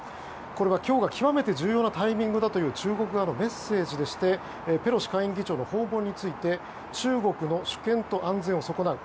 これは今日が極めて重要なタイミングだという中国側のメッセージでしてペロシ下院議長の訪問について中国の主権と安全を損なう。